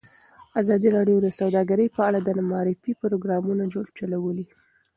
ازادي راډیو د سوداګري په اړه د معارفې پروګرامونه چلولي.